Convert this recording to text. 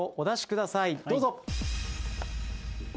どうぞ。